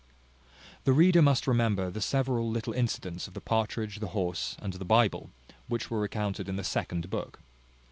The reader must remember the several little incidents of the partridge, the horse, and the Bible, which were recounted in the second book.